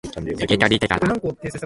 受取手形